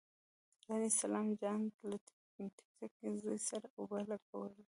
لاندې سلام جان له ټيټکي زوی سره اوبه لګولې.